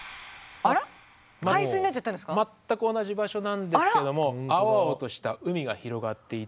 全く同じ場所なんですけども青々とした海が広がっていて。